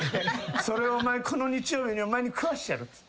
「それをこの日曜日にお前に食わしてやる」っつって。